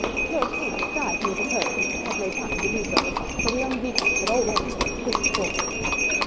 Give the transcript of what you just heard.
Lord Tony tried to interpose, but had no time to do so, for the young Vicomte had already quickly stepped forward.